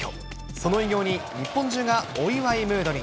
その偉業に日本中がお祝いムードに。